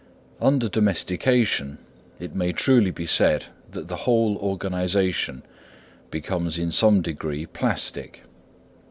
Under domestication, it may truly be said that the whole organisation becomes in some degree plastic.